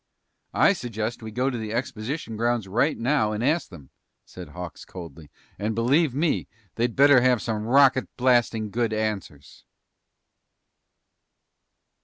"I suggest we go out to the exposition grounds right now and ask them!" said Hawks coldly. "And believe me, they'd better have some rocket blasting good answers!"